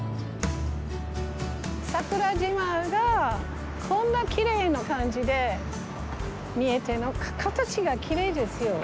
桜島がこんなきれいな感じで見えて形がきれいですよ。